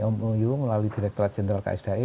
om uyu melalui direkturat general ksdi